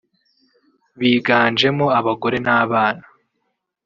biganjemo abagore n’abana